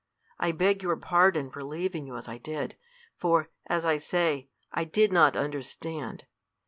I beg your pardon for leaving you as I did, for, as I say, I did not understand.